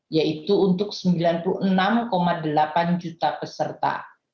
yaitu untuk sembilan puluh enam delapan juta peserta